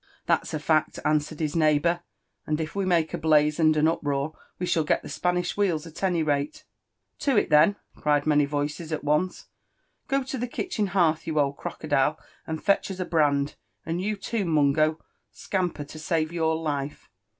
''That's a fact," answered his neighbour; "and if we make a blaze and an uproar, we shall get the Spanish whe^s at any rate." '• To it, then 1" cried many voices at onoe. *" Go to the kitchen hearth, you old crocodile, and fetch as a brand ; and you too^ Mungo —scamper to save your life."